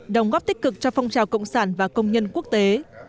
đồng góp tích cực cho phong trào cộng sản và công nhân quốc tế